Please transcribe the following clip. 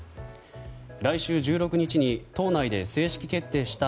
来週１６日に党内で正式決定した